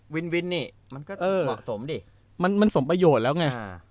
วินวินนี่มันก็เออสมดิมันมันสมประโยชน์แล้วไงอ่า